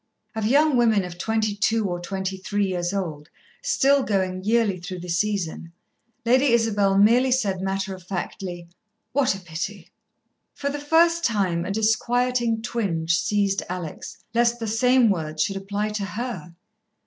Of young women of twenty two or twenty three years old, still going yearly through the season, Lady Isabel merely said matter of factly: "What a pity!" For the first time, a disquieting twinge seized Alex, lest the same words should apply to her.